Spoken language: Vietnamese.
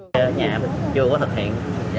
tại nhà chưa có thực hiện